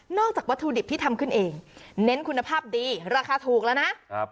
จากวัตถุดิบที่ทำขึ้นเองเน้นคุณภาพดีราคาถูกแล้วนะ